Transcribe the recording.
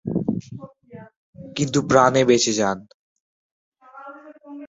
কিন্তু প্রাণে বেঁচে যান।